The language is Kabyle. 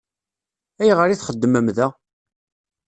Ayɣer i txeddmem da?